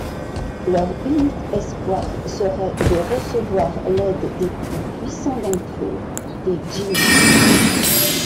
Leur unique espoir serait de recevoir l’aide des plus puissants d’entre eux, les djinns.